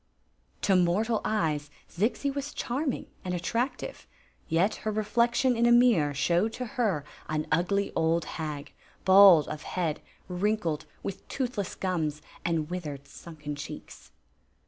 ST of the Magic Clodc To fiiOTtftl eyes Zixi was channing and attractive; yet her reflection in a mirror showed to her an ugly old hag, bald of head, wrinkled, with toothless gums and withered, sunken cheeks.